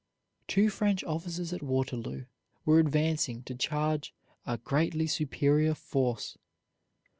Two French officers at Waterloo were advancing to charge a greatly superior force.